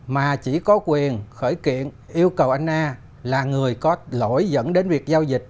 mà chỉ có quyền khởi kiện yêu cầu anh a là người có lỗi dẫn đến việc giao dịch